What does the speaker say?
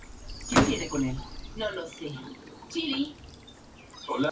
El equipo paralímpico andorrano no obtuvo ninguna medalla en estos Juegos.